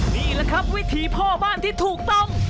นี่แหละครับวิธีพ่อบ้านที่ถูกต้อง